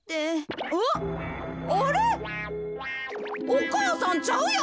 お母さんちゃうやん。